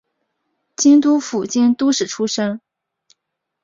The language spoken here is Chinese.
京都府京都市出身。